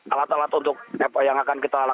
alat alat untuk yang akan kita lakukan